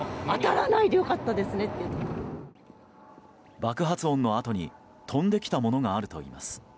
爆発音のあとに飛んできたものがあるといいます。